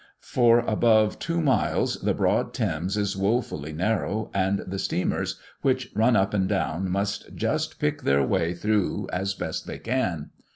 For above two miles the broad Thames is wofully narrow; and the steamers, which run up and down must just pick their way through as best they can.